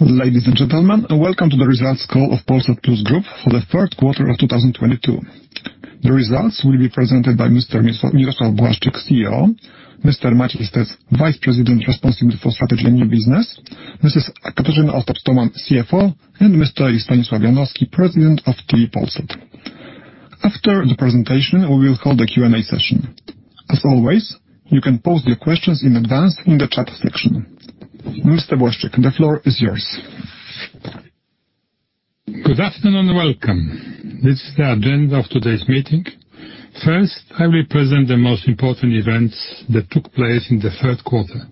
Ladies and gentlemen, welcome to the results call of Polsat Plus Group for the third quarter of 2022. The results will be presented by Mr. Mirosław Błaszczyk, CEO, Mr. Maciej Stec, Vice President responsible for strategy and new business, Mrs. Katarzyna Ostap-Tomann, CFO, and Mr. Stanisław Janowski, President of Telewizja Polsat. After the presentation, we will hold a Q&A session. As always, you can pose your questions in advance in the chat section. Mr. Błaszczyk, the floor is yours. Good afternoon and welcome. This is the agenda of today's meeting. First, I will present the most important events that took place in the third quarter.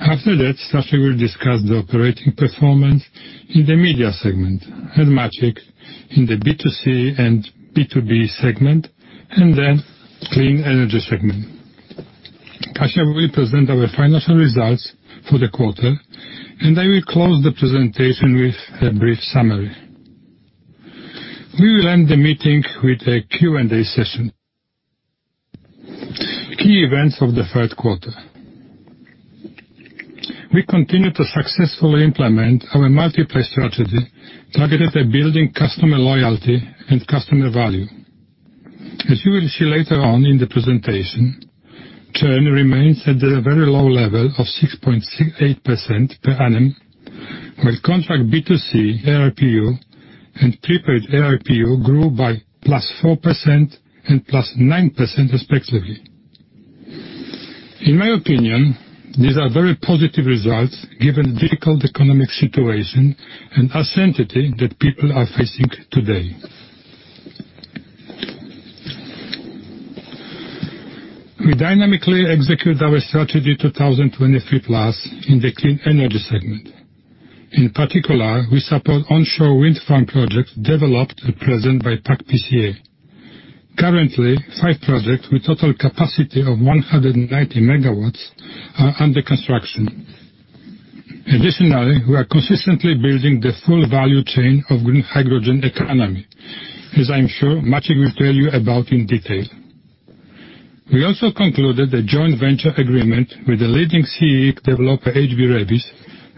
After that, Staszek will discuss the operating performance in the media segment and Maciej in the B2C and B2B segment, and then clean energy segment. Kasia will present our financial results for the quarter, and I will close the presentation with a brief summary. We will end the meeting with a Q&A session. Key events of the third quarter. We continue to successfully implement our multiplay strategy, targeted at building customer loyalty and customer value. As you will see later on in the presentation, churn remains at a very low level of 6.68% per annum, while contract B2C ARPU and prepaid ARPU grew by +4% and +9% respectively. In my opinion, these are very positive results given the difficult economic situation and uncertainty that people are facing today. We dynamically execute our strategy 2023+ in the clean energy segment. In particular, we support onshore wind farm projects developed and presented by PAK PCE. Currently, five projects with total capacity of 190 MW are under construction. Additionally, we are consistently building the full value chain of green hydrogen economy, as I am sure Maciej will tell you about in detail. We also concluded a joint venture agreement with the leading CEE developer, HB Reavis,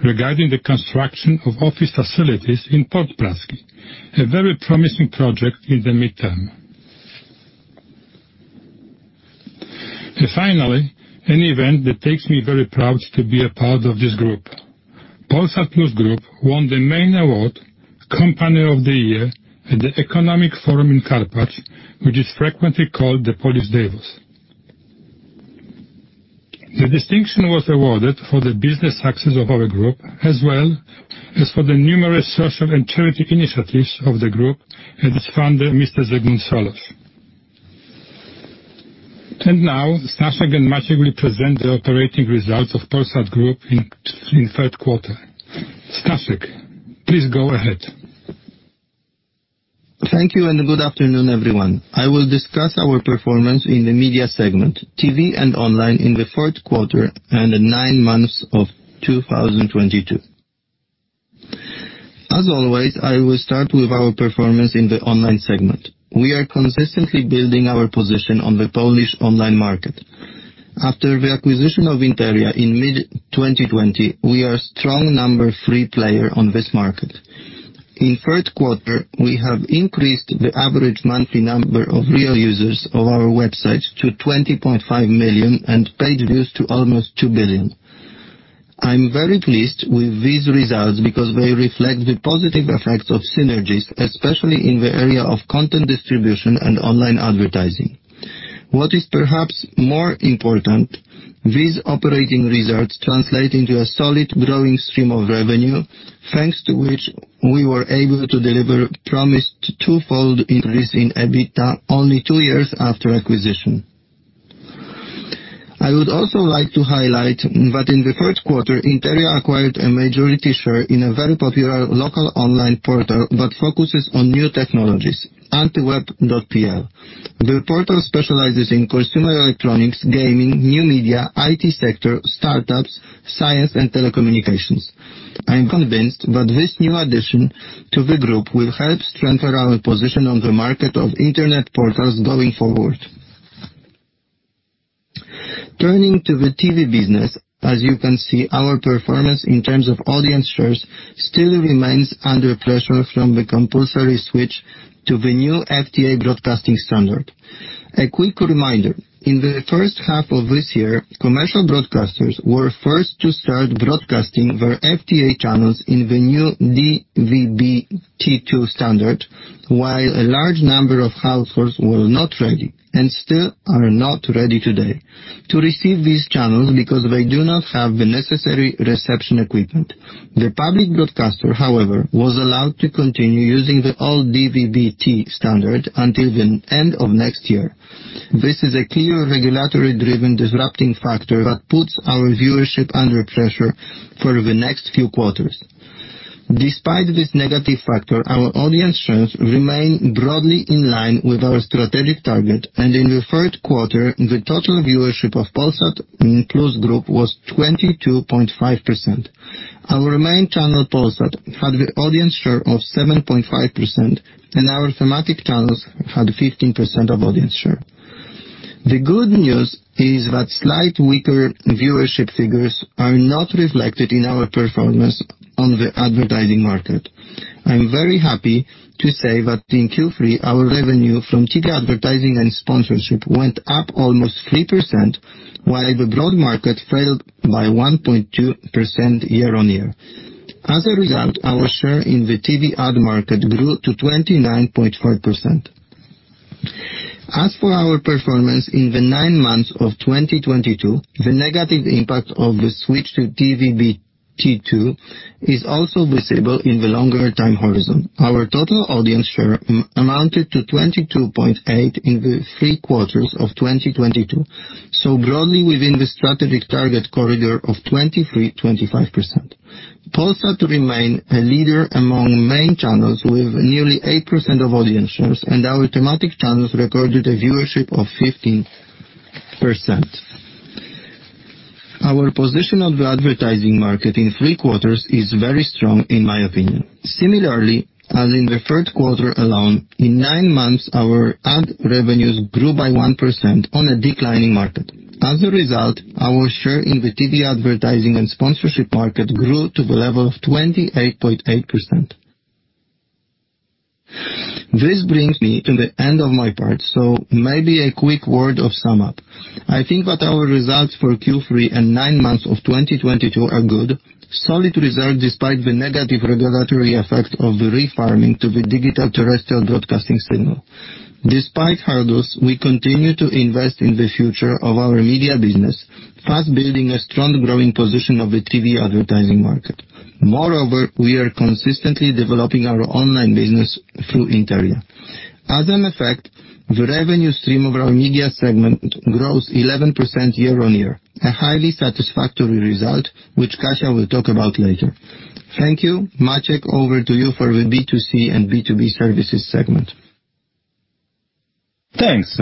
regarding the construction of office facilities in Port Praski, a very promising project in the midterm. Finally, an event that makes me very proud to be a part of this group. Polsat Plus Group won the main award, Company of the Year, at the Economic Forum in Karpacz, which is frequently called the Polish Davos. The distinction was awarded for the business success of our group, as well as for the numerous social and charity initiatives of the group and its founder, Mr. Zygmunt Solorz. Now, Staszek and Maciej will present the operating results of Polsat Group in third quarter. Staszek, please go ahead. Thank you and good afternoon, everyone. I will discuss our performance in the media segment, TV, and online in the fourth quarter and the nine months of 2022. As always, I will start with our performance in the online segment. We are consistently building our position on the Polish online market. After the acquisition of Interia in mid-2020, we are a strong number three player on this market. In third quarter, we have increased the average monthly number of real users of our website to 20.5 million and page views to almost 2 billion. I'm very pleased with these results because they reflect the positive effects of synergies, especially in the area of content distribution and online advertising. What is perhaps more important, these operating results translate into a solid growing stream of revenue, thanks to which we were able to deliver promised twofold increase in EBITDA only two years after acquisition. I would also like to highlight that in the third quarter, Interia acquired a majority share in a very popular local online portal that focuses on new technologies, Antyweb.pl. The portal specializes in consumer electronics, gaming, new media, IT sector, startups, science, and telecommunications. I am convinced that this new addition to the group will help strengthen our position on the market of Internet portals going forward. Turning to the TV business, as you can see, our performance in terms of audience shares still remains under pressure from the compulsory switch to the new FTA broadcasting standard. A quick reminder, in the first half of this year, commercial broadcasters were first to start broadcasting their FTA channels in the new DVB-T2 standard, while a large number of households were not ready, and still are not ready today, to receive these channels because they do not have the necessary reception equipment. The public broadcaster, however, was allowed to continue using the old DVB-T standard until the end of next year. This is a clear regulatory driven disrupting factor that puts our viewership under pressure for the next few quarters. Despite this negative factor, our audience shares remain broadly in line with our strategic target. In the third quarter, the total viewership of Polsat Plus Group was 22.5%. Our main channel, Polsat, had the audience share of 7.5%, and our thematic channels had 15% of audience share. The good news is that slightly weaker viewership figures are not reflected in our performance on the advertising market. I'm very happy to say that in Q3 our revenue from TV advertising and sponsorship went up almost 3%, while the broad market fell by 1.2% year-on-year. As a result, our share in the TV ad market grew to 29.4%. As for our performance in the nine months of 2022, the negative impact of the switch to DVB-T2 is also visible in the longer time horizon. Our total audience share amounted to 22.8% in the three quarters of 2022, so broadly within the strategic target corridor of 23%-25%. Polsat remains a leader among main channels with nearly 8% of audience shares and our thematic channels recorded a viewership of 15%. Our position on the advertising market in three quarters is very strong in my opinion. Similarly, as in the third quarter alone, in nine months, our ad revenues grew by 1% on a declining market. As a result, our share in the TV advertising and sponsorship market grew to the level of 28.8%. This brings me to the end of my part, so maybe a quick word of sum up. I think that our results for Q3 and nine months of 2022 are good. Solid result despite the negative regulatory effect of the refarming to the digital terrestrial broadcasting signal. Despite hurdles, we continue to invest in the future of our media business, thus building a strong growing position of the TV advertising market. Moreover, we are consistently developing our online business through Interia. As an effect, the revenue stream of our media segment grows 11% year-on-year, a highly satisfactory result which Kasia will talk about later. Thank you. Maciej, over to you for the B2C and B2B services segment. Thanks.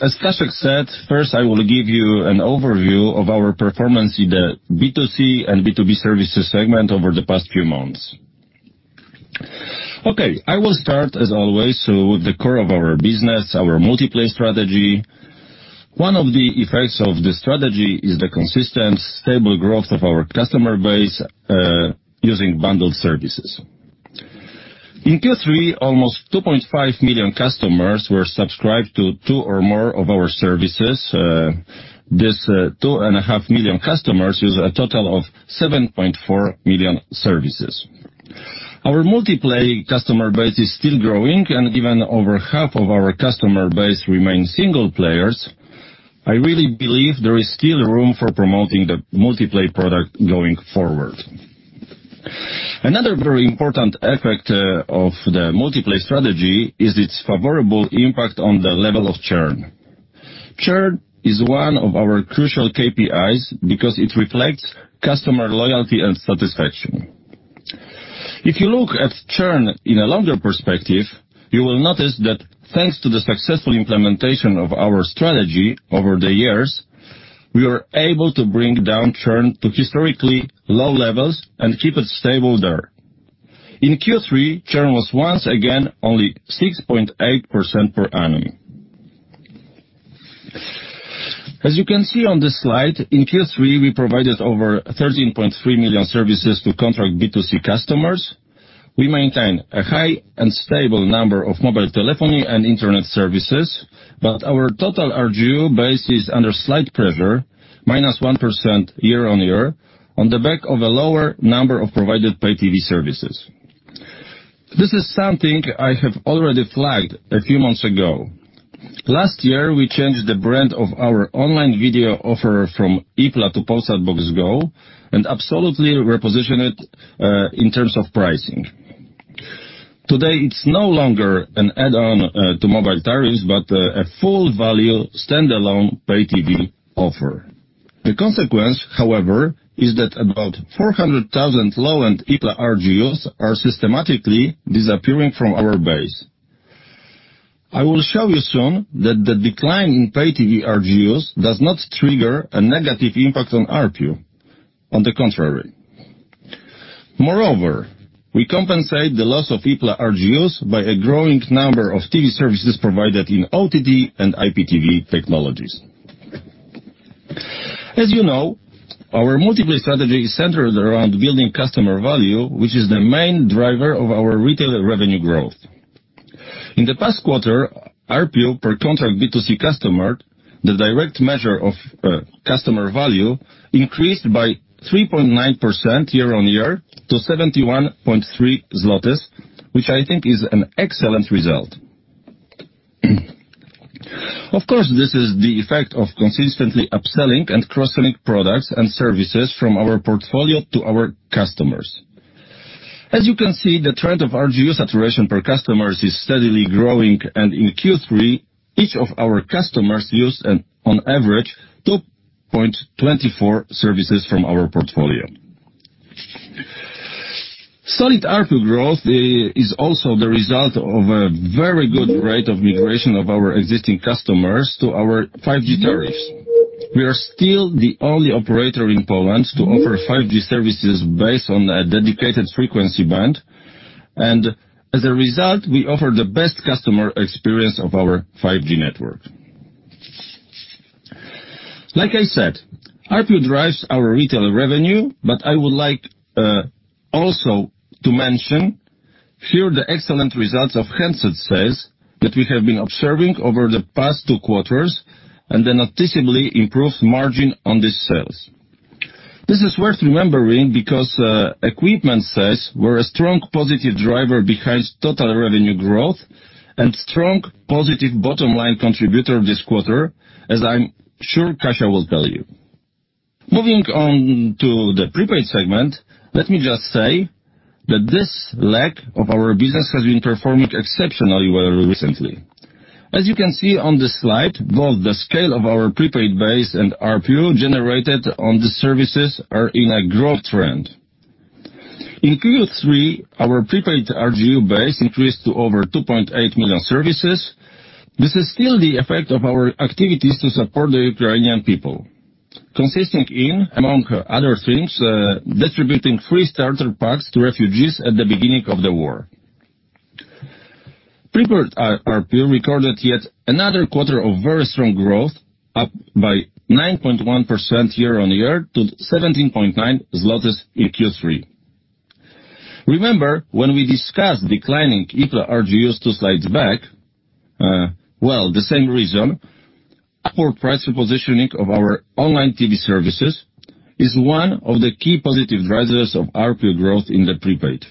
As Staszek said, first I will give you an overview of our performance in the B2C and B2B services segment over the past few months. Okay, I will start as always with the core of our business, our multi-play strategy. One of the effects of this strategy is the consistent stable growth of our customer base, using bundled services. In Q3, almost 2.5 million customers were subscribed to two or more of our services. This 2.5 million customers use a total of 7.4 million services. Our multi-play customer base is still growing, and even over half of our customer base remains single-play. I really believe there is still room for promoting the multi-play product going forward. Another very important effect of the multi-play strategy is its favorable impact on the level of churn. Churn is one of our crucial KPIs because it reflects customer loyalty and satisfaction. If you look at churn in a longer perspective, you will notice that thanks to the successful implementation of our strategy over the years, we are able to bring down churn to historically low levels and keep it stable there. In Q3, churn was once again only 6.8% per annum. As you can see on this slide, in Q3 we provided over 13.3 million services to contract B2C customers. We maintain a high and stable number of mobile telephony and internet services, but our total RGU base is under slight pressure, -1% year-on-year, on the back of a lower number of provided pay-TV services. This is something I have already flagged a few months ago. Last year, we changed the brand of our online video offer from Ipla to Polsat Box Go and absolutely reposition it in terms of pricing. Today, it's no longer an add-on to mobile tariffs, but a full value standalone pay-TV offer. The consequence, however, is that about 400,000 low-end Ipla RGUs are systematically disappearing from our base. I will show you soon that the decline in pay-TV RGUs does not trigger a negative impact on ARPU. On the contrary. Moreover, we compensate the loss of ipla RGUs by a growing number of TV services provided in OTT and IPTV technologies. As you know, our multi-play strategy is centered around building customer value, which is the main driver of our retail revenue growth. In the past quarter, ARPU per contract B2C customer, the direct measure of customer value, increased by 3.9% year-on-year to 71.3 zlotys, which I think is an excellent result. Of course, this is the effect of consistently upselling and cross-selling products and services from our portfolio to our customers. As you can see, the trend of RGU saturation per customers is steadily growing, and in Q3, each of our customers used on average 2.24 services from our portfolio. Solid ARPU growth is also the result of a very good rate of migration of our existing customers to our 5G tariffs. We are still the only operator in Poland to offer 5G services based on a dedicated frequency band. As a result, we offer the best customer experience of our 5G network. Like I said, ARPU drives our retail revenue, but I would like also to mention here the excellent results of handset sales that we have been observing over the past two quarters and the noticeably improved margin on these sales. This is worth remembering because equipment sales were a strong positive driver behind total revenue growth and strong positive bottom line contributor this quarter, as I'm sure Kasia will tell you. Moving on to the prepaid segment, let me just say that this leg of our business has been performing exceptionally well recently. As you can see on the slide, both the scale of our prepaid base and ARPU generated on the services are in a growth trend. In Q3, our prepaid RGU base increased to over 2.8 million services. This is still the effect of our activities to support the Ukrainian people, consisting in, among other things, distributing free starter packs to refugees at the beginning of the war. Prepaid ARPU recorded yet another quarter of very strong growth, up by 9.1% year-on-year to 17.9 PLN in Q3. Remember when we discussed declining Ipla RGUs two slides back, well, the same reason. Upward price repositioning of our online TV services is one of the key positive drivers of ARPU growth in the prepaid.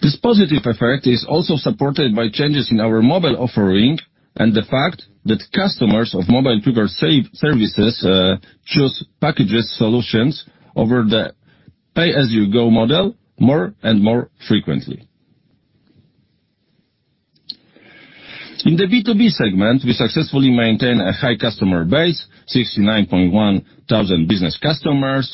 This positive effect is also supported by changes in our mobile offering and the fact that customers of mobile prepaid services choose package solutions over the pay-as-you-go model more and more frequently. In the B2B segment, we successfully maintain a high customer base, 69,100 business customers.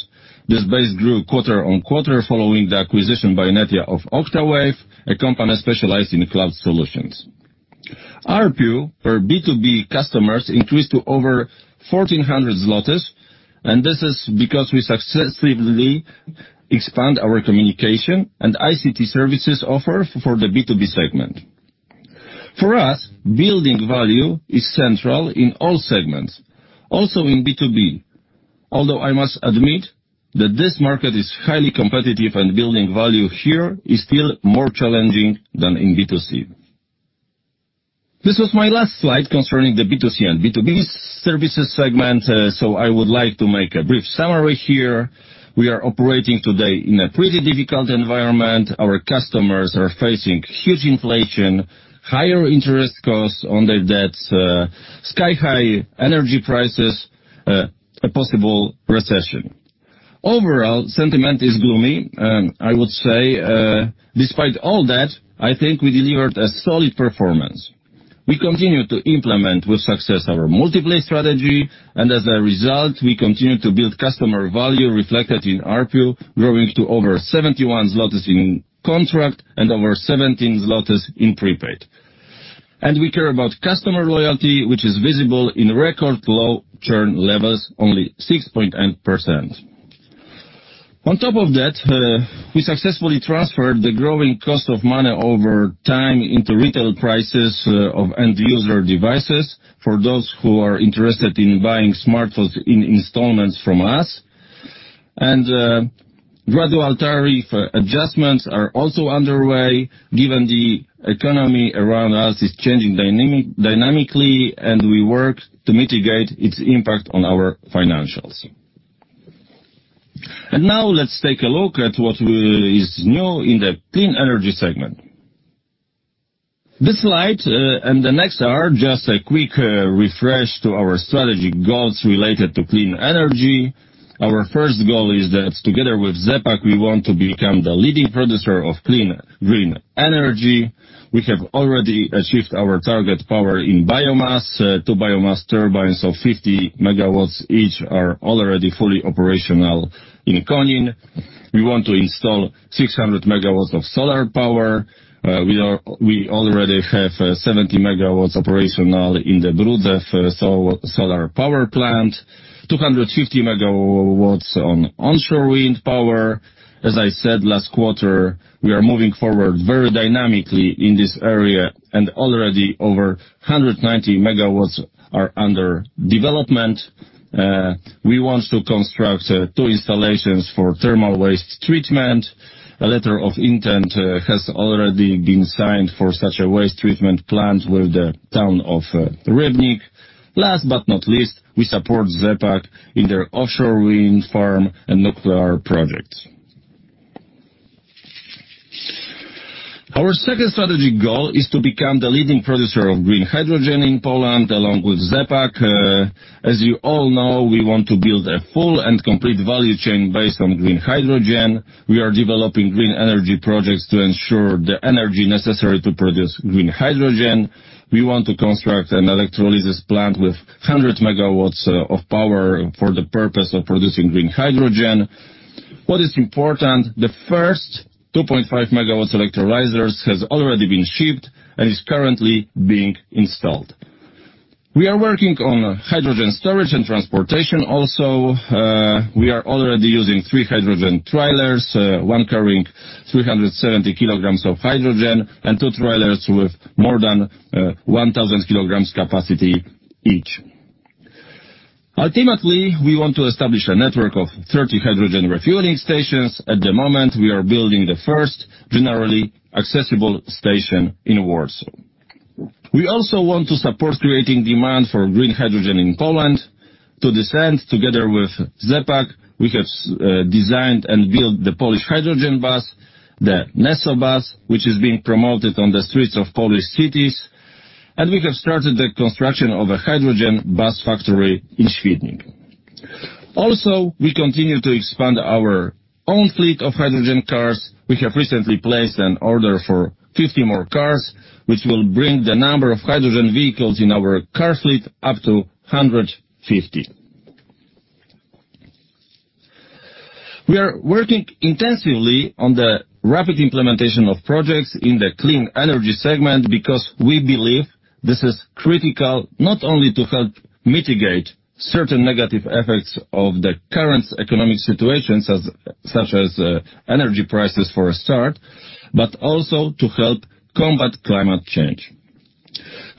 This base grew quarter-on-quarter following the acquisition by Netia of Oktawave, a company specialized in cloud solutions. ARPU per B2B customers increased to over 1,400 PLN, and this is because we successively expand our communication and ICT services offer for the B2B segment. For us, building value is central in all segments, also in B2B. Although I must admit that this market is highly competitive and building value here is still more challenging than in B2C. This was my last slide concerning the B2C and B2B services segment, so I would like to make a brief summary here. We are operating today in a pretty difficult environment. Our customers are facing huge inflation, higher interest costs on their debts, sky-high energy prices, a possible recession. Overall, sentiment is gloomy. I would say, despite all that, I think we delivered a solid performance. We continue to implement with success our multiplay strategy and as a result, we continue to build customer value reflected in ARPU, growing to over 71 zlotys in contract and over 17 zlotys in prepaid. We care about customer loyalty, which is visible in record low churn levels, only 6.8%. On top of that, we successfully transferred the growing cost of money over time into retail prices of end user devices for those who are interested in buying smartphones in installments from us. Gradual tariff adjustments are also underway given the economy around us is changing dynamically, and we work to mitigate its impact on our financials. Now let's take a look at what is new in the clean energy segment. This slide and the next are just a quick refresh to our strategy goals related to clean energy. Our first goal is that together with ZE PAK, we want to become the leading producer of clean, green energy. We have already achieved our target power in biomass. Two biomass turbines of 50 MW each are already fully operational in Konin. We want to install 600 MW of solar power. We already have 70 MW operational in the Brudzew solar power plant, 250 MW on onshore wind power. As I said last quarter, we are moving forward very dynamically in this area and already over 190 MW are under development. We want to construct two installations for thermal waste treatment. A letter of intent has already been signed for such a waste treatment plant with the town of Rybnik. Last but not least, we support ZE PAK in their offshore wind farm and nuclear projects. Our second strategic goal is to become the leading producer of green hydrogen in Poland along with ZE PAK. As you all know, we want to build a full and complete value chain based on green hydrogen. We are developing green energy projects to ensure the energy necessary to produce green hydrogen. We want to construct an electrolysis plant with 100 MW of power for the purpose of producing green hydrogen. What is important, the first 2.5 MW electrolyzers has already been shipped and is currently being installed. We are working on hydrogen storage and transportation also. We are already using three hydrogen trailers, one carrying 370 kg of hydrogen and two trailers with more than 1,000 kg capacity each. Ultimately, we want to establish a network of 30 hydrogen refueling stations. At the moment, we are building the first generally accessible station in Warsaw. We also want to support creating demand for green hydrogen in Poland. To this end, together with ZE PAK, we have designed and built the Polish hydrogen bus, the NesoBus, which is being promoted on the streets of Polish cities. We have started the construction of a hydrogen bus factory in Świdnik. Also, we continue to expand our own fleet of hydrogen cars. We have recently placed an order for 50 more cars, which will bring the number of hydrogen vehicles in our car fleet up to 150. We are working intensively on the rapid implementation of projects in the clean energy segment because we believe this is critical not only to help mitigate certain negative effects of the current economic situations such as energy prices for a start, but also to help combat climate change.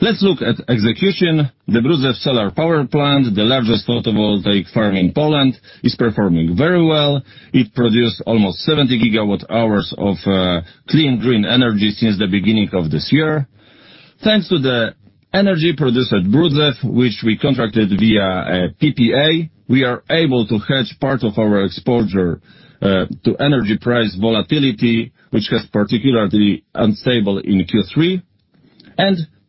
Let's look at execution. The Brudzew Solar Power Plant, the largest photovoltaic farm in Poland, is performing very well. It produced almost 70 GWh of clean green energy since the beginning of this year. Thanks to the energy produced at Brudzew, which we contracted via PPA, we are able to hedge part of our exposure to energy price volatility, which was particularly unstable in Q3.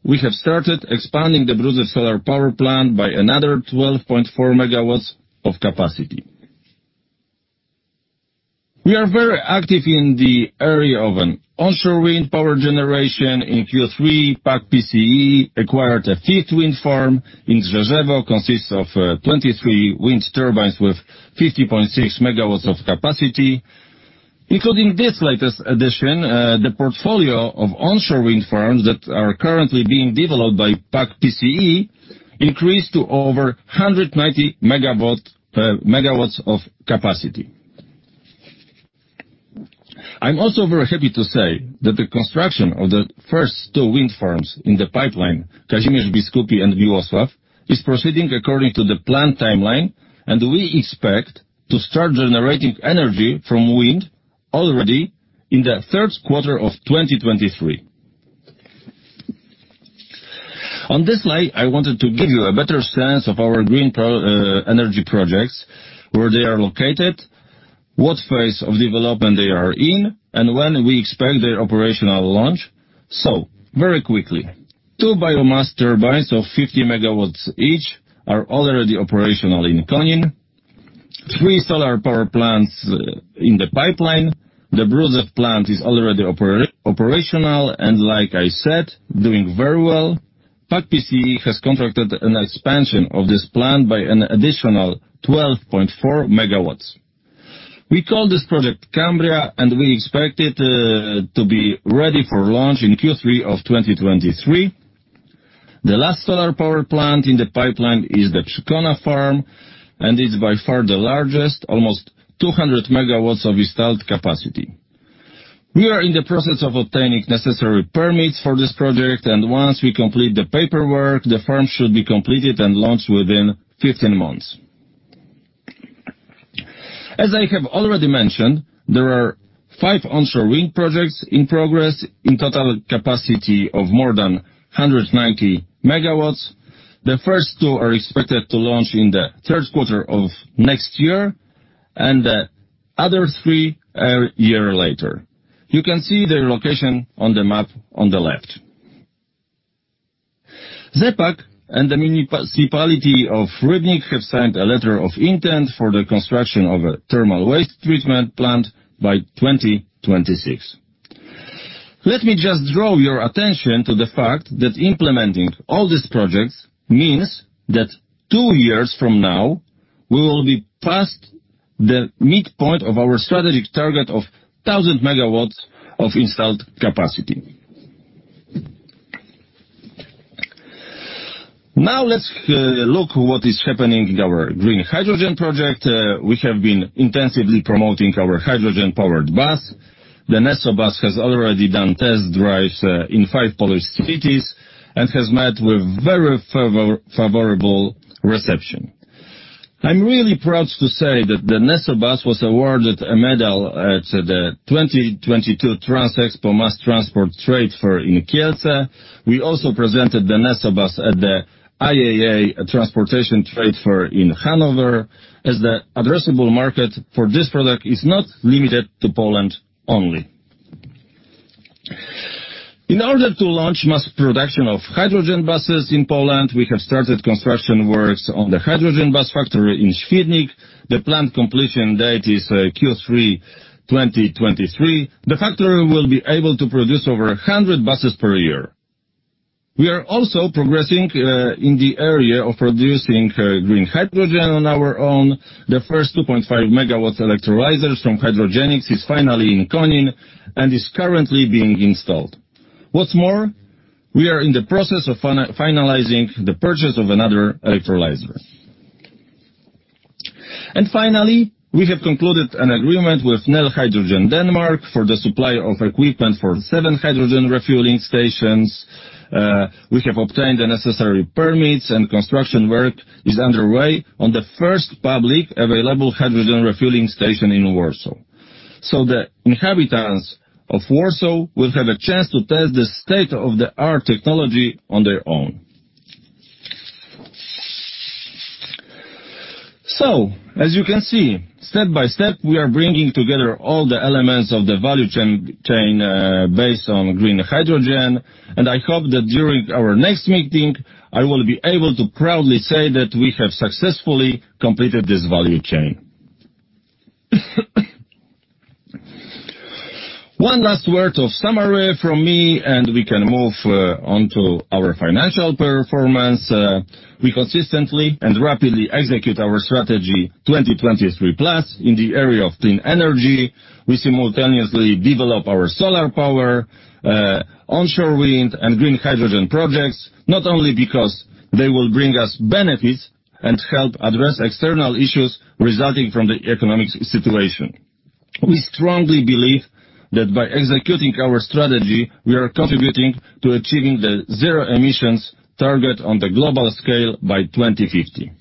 We have started expanding the Brudzew Solar Power Plant by another 12.4 MW of capacity. We are very active in the area of an onshore wind power generation. In Q3, PAK PCE acquired a fifth wind farm in Drzeżewo, consists of 23 wind turbines with 50.6 MW of capacity. Including this latest addition, the portfolio of onshore wind farms that are currently being developed by PAK PCE increased to over 190 MW of capacity. I'm also very happy to say that the construction of the first two wind farms in the pipeline, Kazimierz Biskupi and Mirosław, is proceeding according to the planned timeline, and we expect to start generating energy from wind already in the third quarter of 2023. On this slide, I wanted to give you a better sense of our green energy projects, where they are located, what phase of development they are in, and when we expect their operational launch. Very quickly, two biomass turbines of 50 MW each are already operational in Konin. Three solar power plants in the pipeline. The Brudzew plant is already operational and, like I said, doing very well. PAK PCE has contracted an expansion of this plant by an additional 12.4 MW. We call this project Cambria, and we expect it to be ready for launch in Q3 of 2023. The last solar power plant in the pipeline is the Przykona farm, and it's by far the largest, almost 200 MW of installed capacity. We are in the process of obtaining necessary permits for this project and once we complete the paperwork, the farm should be completed and launched within 15 months. As I have already mentioned, there are five onshore wind projects in progress in total capacity of more than 190 MW. The first two are expected to launch in the third quarter of next year, and the other three a year later. You can see their location on the map on the left. ZE PAK and the Municipality of Rybnik have signed a letter of intent for the construction of a thermal waste treatment plant by 2026. Let me just draw your attention to the fact that implementing all these projects means that two years from now, we will be past the midpoint of our strategic target of 1,000 MW of installed capacity. Now, let's look what is happening in our green hydrogen project. We have been intensively promoting our hydrogen-powered bus. The NesoBus has already done test drives in five Polish cities and has met with very favorable reception. I'm really proud to say that the NesoBus was awarded a medal at the 2022 TRANSEXPO in Kielce. We also presented the NesoBus at the IAA Transportation Trade Fair in Hanover as the addressable market for this product is not limited to Poland only. In order to launch mass production of hydrogen buses in Poland, we have started construction works on the hydrogen bus factory in Świdnik. The plant completion date is Q3 2023. The factory will be able to produce over 100 buses per year. We are also progressing in the area of producing green hydrogen on our own. The first 2.5 MW electrolyzers from Hydrogenics is finally in Konin and is currently being installed. What's more, we are in the process of finalizing the purchase of another electrolyzer. Finally, we have concluded an agreement with Nel Hydrogen Denmark for the supply of equipment for seven hydrogen refueling stations. We have obtained the necessary permits and construction work is underway on the first public available hydrogen refueling station in Warsaw. The inhabitants of Warsaw will have a chance to test the state-of-the-art technology on their own. As you can see, step-by-step, we are bringing together all the elements of the value chain, based on green hydrogen, and I hope that during our next meeting, I will be able to proudly say that we have successfully completed this value chain. One last word of summary from me, and we can move onto our financial performance. We consistently and rapidly execute our strategy 2023+ in the area of clean energy. We simultaneously develop our solar power, onshore wind and green hydrogen projects, not only because they will bring us benefits and help address external issues resulting from the economic situation. We strongly believe that by executing our strategy, we are contributing to achieving the zero emissions target on the global scale by 2050.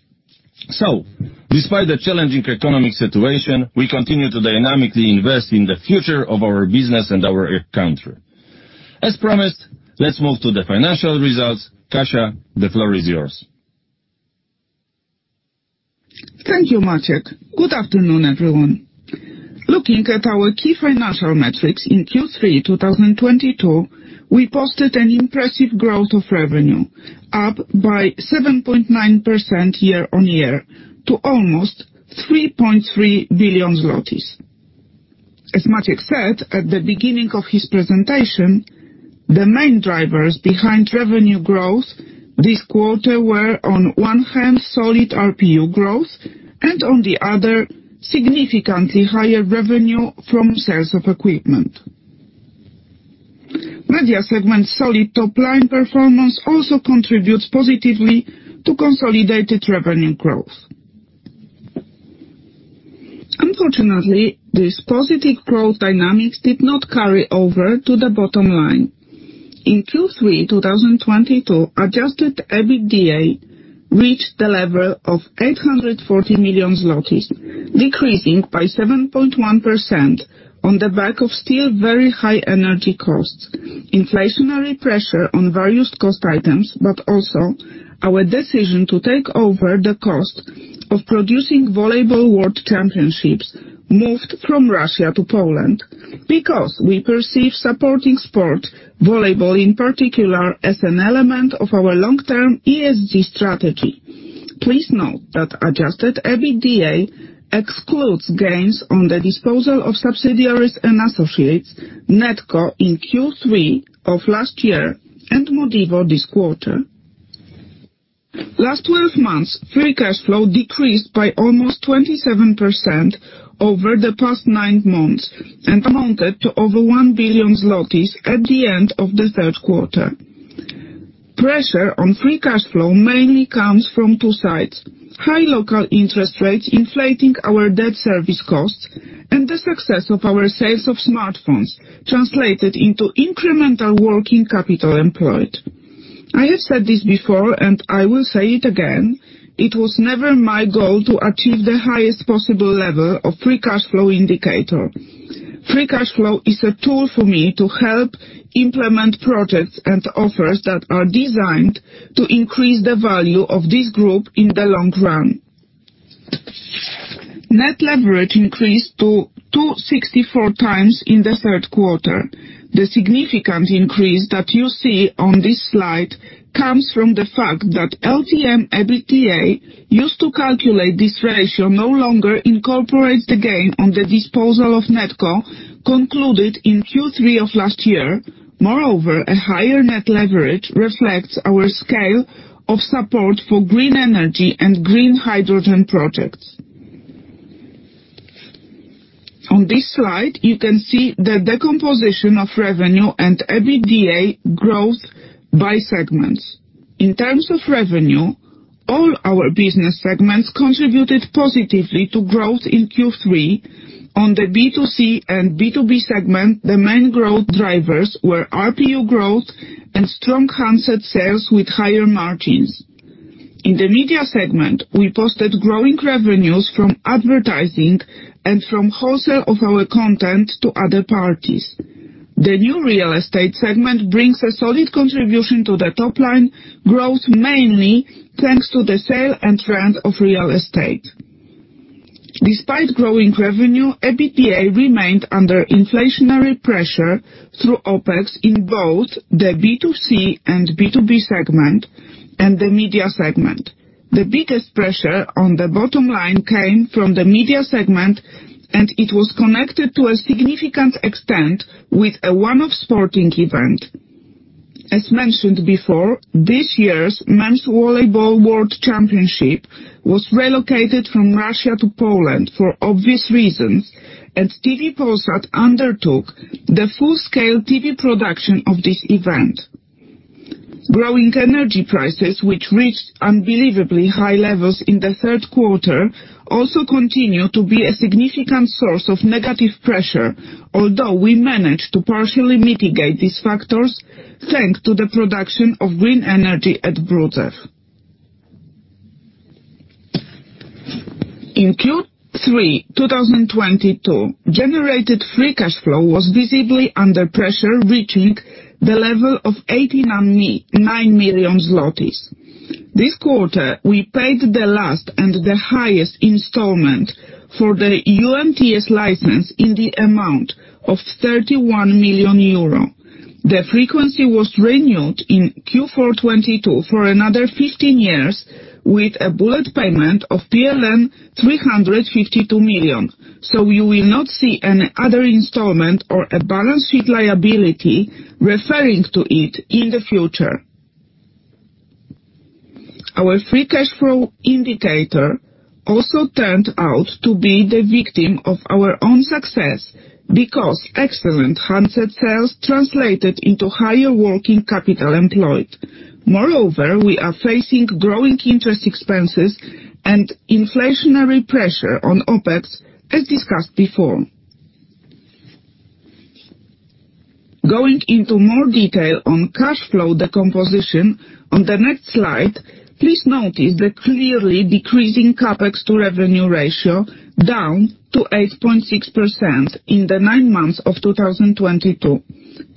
Despite the challenging economic situation, we continue to dynamically invest in the future of our business and our country. As promised, let's move to the financial results. Kasia, the floor is yours. Thank you, Maciej. Good afternoon, everyone. Looking at our key financial metrics in Q3 2022, we posted an impressive growth of revenue, up by 7.9% year-on-year to almost 3.3 billion zlotys. As Maciej said at the beginning of his presentation, the main drivers behind revenue growth this quarter were, on one hand, solid ARPU growth and, on the other, significantly higher revenue from sales of equipment. Media segment solid top line performance also contributes positively to consolidated revenue growth. Unfortunately, this positive growth dynamics did not carry over to the bottom line. In Q3 2022, adjusted EBITDA reached the level of 840 million zlotys, decreasing by 7.1% on the back of still very high energy costs, inflationary pressure on various cost items, but also our decision to take over the cost of producing volleyball world championships moved from Russia to Poland. We perceive supporting sport, volleyball in particular, as an element of our long-term ESG strategy. Please note that adjusted EBITDA excludes gains on the disposal of subsidiaries and associates, Netco in Q3 of last year and Modivo this quarter. Last 12 months, free cash flow decreased by almost 27% over the past nine months and amounted to over 1 billion zlotys at the end of the third quarter. Pressure on free cash flow mainly comes from two sides, high local interest rates inflating our debt service costs and the success of our sales of smartphones translated into incremental working capital employed. I have said this before, and I will say it again. It was never my goal to achieve the highest possible level of free cash flow indicator. Free cash flow is a tool for me to help implement projects and offers that are designed to increase the value of this group in the long run. Net leverage increased to 2.64x in the third quarter. The significant increase that you see on this slide comes from the fact that LTM EBITDA used to calculate this ratio no longer incorporates the gain on the disposal of Netco concluded in Q3 of last year. Moreover, a higher net leverage reflects our scale of support for green energy and green hydrogen projects. On this slide, you can see the decomposition of revenue and EBITDA growth by segments. In terms of revenue, all our business segments contributed positively to growth in Q3. On the B2C and B2B segment, the main growth drivers were RPU growth and strong handset sales with higher margins. In the media segment, we posted growing revenues from advertising and from wholesale of our content to other parties. The new real estate segment brings a solid contribution to the top line, growth mainly thanks to the sale and rent of real estate. Despite growing revenue, EBITDA remained under inflationary pressure through OpEx in both the B2C and B2B segment and the media segment. The biggest pressure on the bottom line came from the media segment, and it was connected to a significant extent with a one-off sporting event. As mentioned before, this year's Men's Volleyball World Championship was relocated from Russia to Poland for obvious reasons. TV Polsat undertook the full-scale TV production of this event. Growing energy prices, which reached unbelievably high levels in the third quarter, also continue to be a significant source of negative pressure. Although we managed to partially mitigate these factors, thanks to the production of green energy at Brudzew. In Q3 2022, generated free cash flow was visibly under pressure, reaching the level of 89 million zlotys. This quarter, we paid the last and the highest installment for the UMTS license in the amount of 31 million euro. The frequency was renewed in Q4 2022 for another 15 years with a bullet payment of PLN 352 million. You will not see any other installment or a balance sheet liability referring to it in the future. Our free cash flow indicator also turned out to be the victim of our own success because excellent handset sales translated into higher working capital employed. Moreover, we are facing growing interest expenses and inflationary pressure on OpEx, as discussed before. Going into more detail on cash flow decomposition on the next slide, please note the clearly decreasing CapEx to revenue ratio down to 8.6% in the nine months of 2022.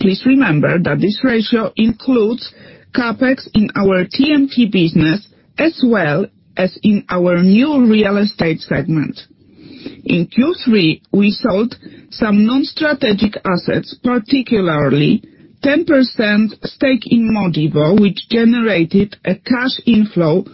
Please remember that this ratio includes CapEx in our TMT business as well as in our new real estate segment. In Q3, we sold some non-strategic assets, particularly 10% stake in Modivo, which generated a cash inflow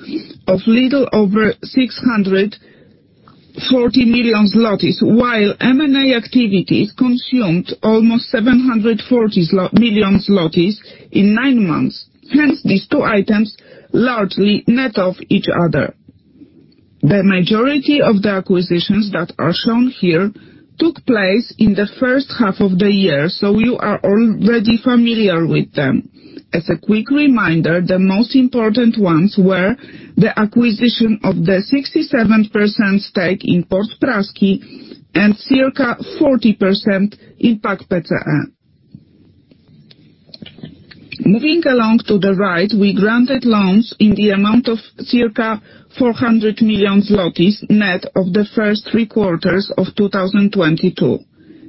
of little over 640 million zlotys, while M&A activity consumed almost 740 million zlotys in nine months. Hence these two items largely net off each other. The majority of the acquisitions that are shown here took place in the first half of the year, so you are already familiar with them. As a quick reminder, the most important ones were the acquisition of the 67% stake in Port Praski and circa 40% in PAK PCE. Moving along to the right, we granted loans in the amount of circa 400 million zlotys net of the first three quarters of 2022.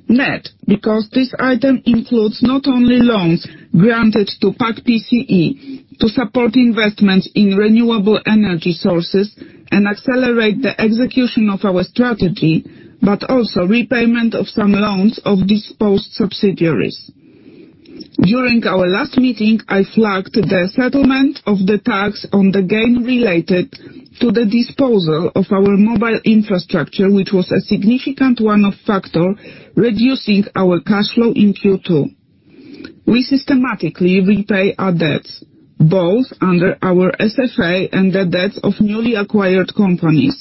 Net because this item includes not only loans granted to PAK PCE to support investments in renewable energy sources and accelerate the execution of our strategy, but also repayment of some loans of disposed subsidiaries. During our last meeting, I flagged the settlement of the tax on the gain related to the disposal of our mobile infrastructure, which was a significant one-off factor, reducing our cash flow in Q2. We systematically repay our debts, both under our SFA and the debts of newly acquired companies,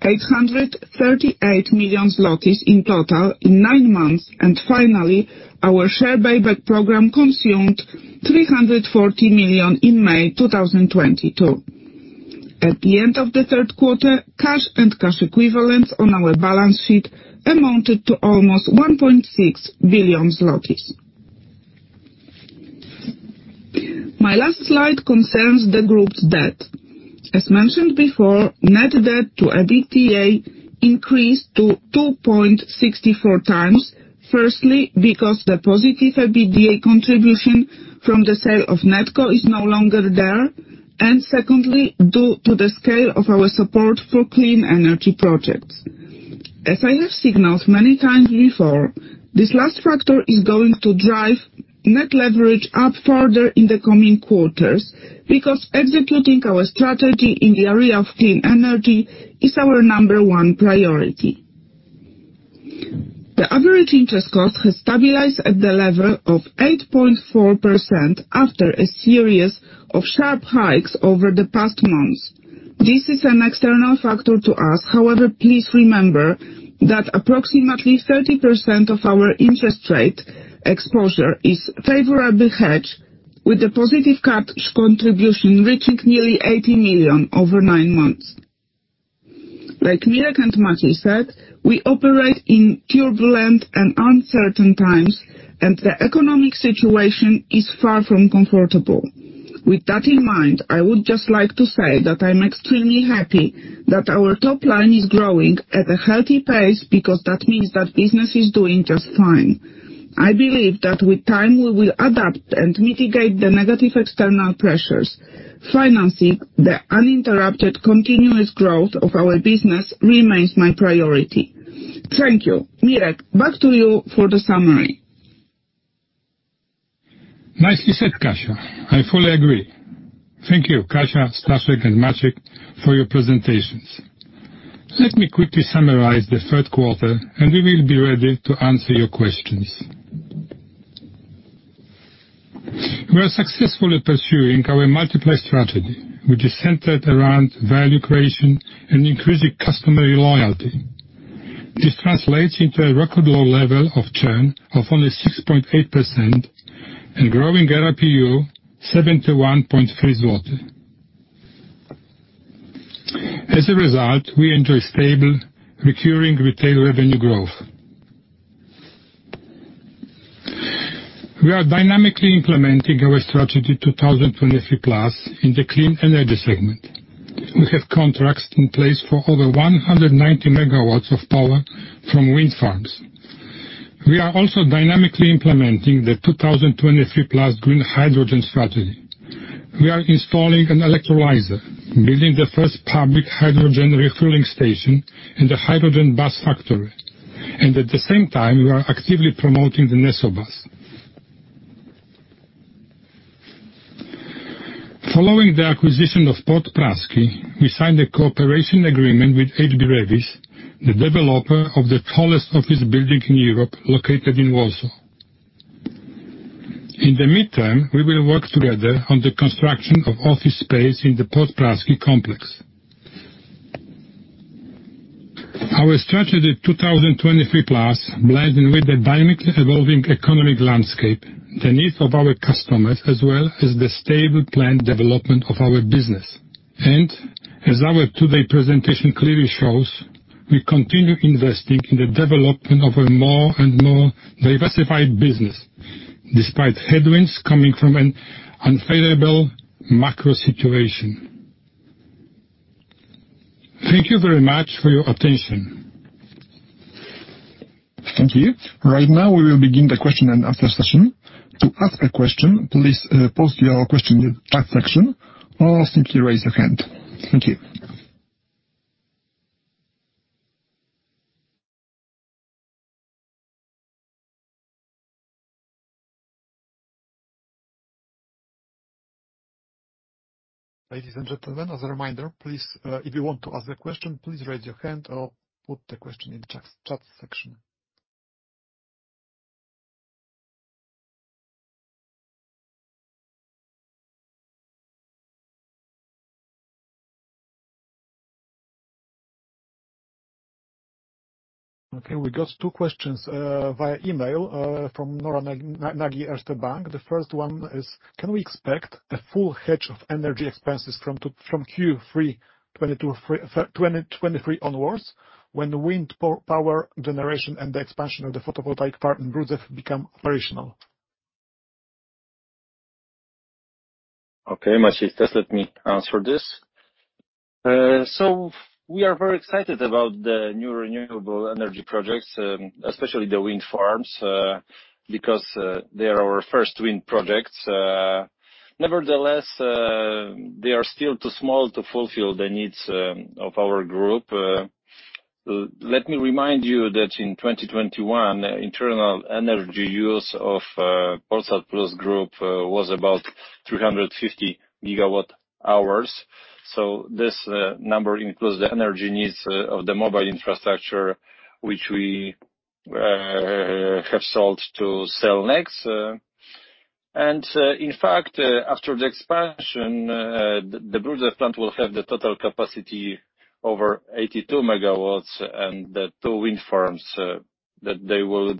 838 million zlotys in total in nine months. Finally, our share buyback program consumed 340 million in May 2022. At the end of the third quarter, cash and cash equivalents on our balance sheet amounted to almost 1.6 billion zlotys. My last slide concerns the group's debt. As mentioned before, net debt to EBITDA increased to 2.64x. Firstly, because the positive EBITDA contribution from the sale of Netco is no longer there, and secondly, due to the scale of our support for clean energy projects. As I have signaled many times before, this last factor is going to drive net leverage up further in the coming quarters because executing our strategy in the area of clean energy is our number one priority. The average interest cost has stabilized at the level of 8.4% after a series of sharp hikes over the past months. This is an external factor to us. However, please remember that approximately 30% of our interest rate exposure is favorably hedged with a positive cash contribution reaching nearly 80 million over nine months. Like Mirek and Maciej said, we operate in turbulent and uncertain times, and the economic situation is far from comfortable. With that in mind, I would just like to say that I'm extremely happy that our top line is growing at a healthy pace because that means that business is doing just fine. I believe that with time, we will adapt and mitigate the negative external pressures. Financing the uninterrupted, continuous growth of our business remains my priority. Thank you. Mirek, back to you for the summary. Nicely said, Kasia. I fully agree. Thank you, Kasia, Staszek, and Maciej for your presentations. Let me quickly summarize the third quarter, and we will be ready to answer your questions. We are successfully pursuing our multiplay strategy, which is centered around value creation and increasing customer loyalty. This translates into a record low level of churn of only 6.8% and growing ARPU, 71.3 zloty. As a result, we enjoy stable recurring retail revenue growth. We are dynamically implementing our 2023+ strategy in the clean energy segment. We have contracts in place for over 190 MW of power from wind farms. We are also dynamically implementing the 2023+ green hydrogen strategy. We are installing an electrolyzer, building the first public hydrogen refueling station and the hydrogen bus factory. At the same time, we are actively promoting the NesoBus. Following the acquisition of Port Praski, we signed a cooperation agreement with HB Reavis, the developer of the tallest office building in Europe, located in Warsaw. In the midterm, we will work together on the construction of office space in the Port Praski complex. Our strategy 2023+ blends in with the dynamically evolving economic landscape, the needs of our customers, as well as the stable planned development of our business. As our today's presentation clearly shows, we continue investing in the development of a more and more diversified business, despite headwinds coming from an unfavorable macro situation. Thank you very much for your attention. Thank you. Right now, we will begin the question and answer session. To ask a question, please post your question in the chat section or simply raise your hand. Thank you. Ladies and gentlemen, as a reminder, please if you want to ask a question, please raise your hand or put the question in the chat section. Okay, we got two questions via email from Nóra Varga-Nagy, Erste Bank. The first one is: Can we expect a full hedge of energy expenses from Q3 2023 onwards when the wind power generation and the expansion of the photovoltaic park in Brudzew become operational? Okay, Maciej, just let me answer this. We are very excited about the new renewable energy projects, especially the wind farms, because they are our first wind projects. Nevertheless, they are still too small to fulfill the needs of our group. Let me remind you that in 2021, internal energy use of Polsat Plus Group was about 350 GWh. So this number includes the energy needs of the mobile infrastructure, which we have sold to Cellnex. In fact, after the expansion, the Brudzew plant will have the total capacity over 82 MW and the two wind farms that will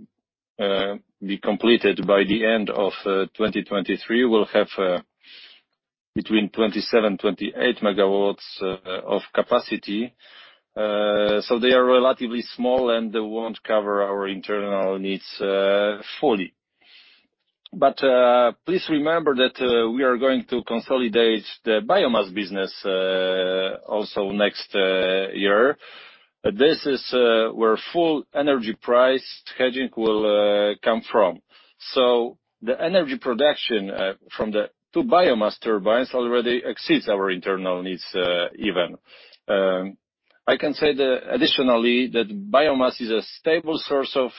be completed by the end of 2023 will have between 27-28 MW of capacity. They are relatively small, and they won't cover our internal needs fully. Please remember that we are going to consolidate the biomass business also next year. This is where full energy price hedging will come from. The energy production from the two biomass turbines already exceeds our internal needs even. I can say that additionally, that biomass is a stable source of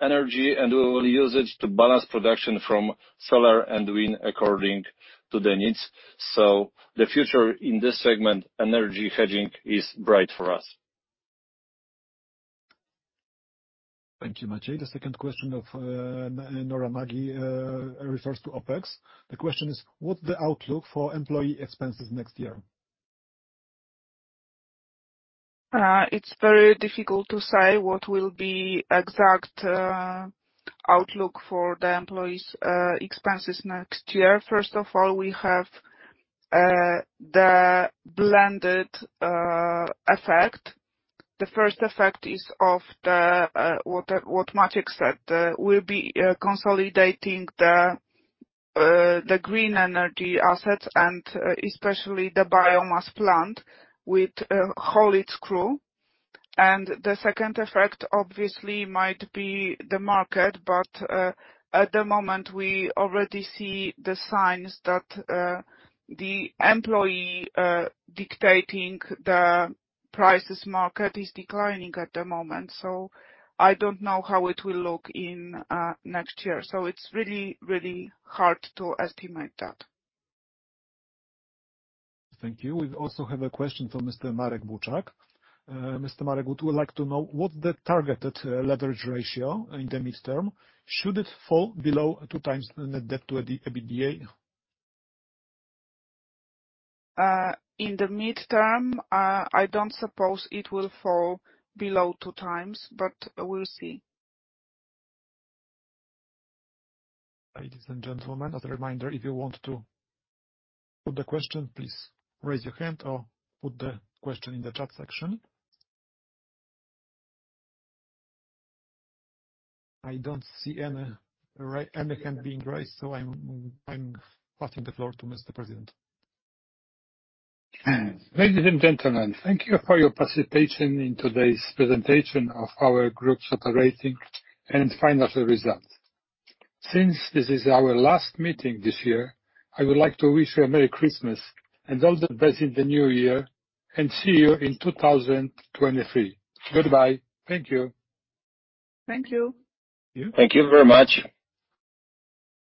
energy, and we will use it to balance production from solar and wind according to the needs. The future in this segment, energy hedging is bright for us. Thank you, Maciej. The second question from Nora Varga-Nagy refers to OpEx. The question is: what's the outlook for employee expenses next year? It's very difficult to say what will be exact outlook for the employees expenses next year. First of all, we have the blended effect. The first effect is of what Maciej said. We'll be consolidating the green energy assets and especially the biomass plant with its whole crew. The second effect, obviously, might be the market, but at the moment, we already see the signs that the employee dictating the prices market is declining at the moment, so I don't know how it will look in next year. It's really hard to estimate that. Thank you. We also have a question from Mr. Marek Buczek. Mr. Marek would like to know what the targeted leverage ratio in the midterm should it fall below 2x net debt to the EBITDA? In the midterm, I don't suppose it will fall below 2x, but we'll see. Ladies and gentlemen, as a reminder, if you want to put the question, please raise your hand or put the question in the chat section. I don't see any hand being raised, so I'm passing the floor to Mr. President. Ladies and gentlemen, thank you for your participation in today's presentation of our group's operating and financial results. Since this is our last meeting this year, I would like to wish you a Merry Christmas and all the best in the new year and see you in 2023. Goodbye. Thank you. Thank you. Thank you very much.